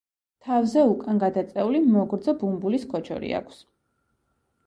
თავზე უკან გადაწეული, მოგრძო ბუმბულის ქოჩორი აქვს.